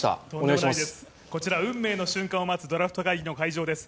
こちら、運命の瞬間を待つドラフト会議の会場です。